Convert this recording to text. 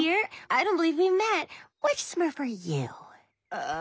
ああ。